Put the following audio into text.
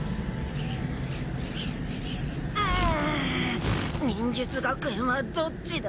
うん忍術学園はどっちだ。